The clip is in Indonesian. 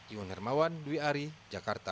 iwan hermawan dwi ari jakarta